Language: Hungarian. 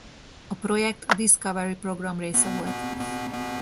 A projekt a Discovery-program része volt.